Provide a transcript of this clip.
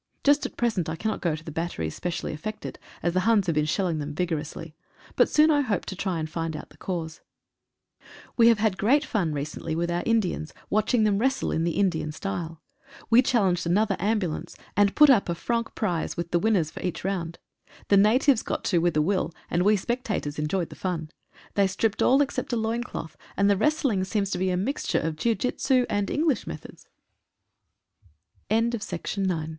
Just at present I cannot go to the bat teries specially affected, as the Huns have been shelling them vigorously, but soon I hope to try and find out the cause. We have had great fun recently with our Indians — watching them wrestling in the Indian style. We challenged another ambulance, and put up a franc prize to the winners of each round. The natives got to with a will, and we spectators enjoyed the fun. They stripped all except a loin cloth, and the wrestling seems to be a mixture of jiu jitsu and English methods.